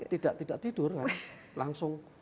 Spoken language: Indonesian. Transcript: tidak tidur kan langsung